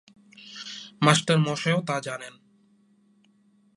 মাস্টারমশায়ও তা জানেন।